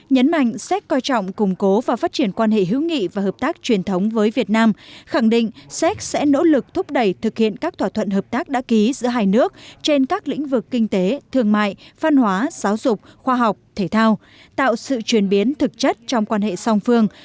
nhấn mạnh xét coi trọng củng cố và phát triển quan hệ hữu nghị và hợp tác truyền thống với việt nam khẳng định séc sẽ nỗ lực thúc đẩy thực hiện các thỏa thuận hợp tác đã ký giữa hai nước trên các lĩnh vực kinh tế thương mại văn hóa giáo dục khoa học thể thao tạo sự truyền biến thực chất trong quan hệ song phương